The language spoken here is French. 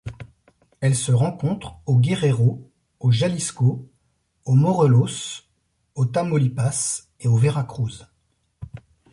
Elle se rencontre au Guerrero, au Jalisco, au Morelos, au Tamaulipas et au Veracruz.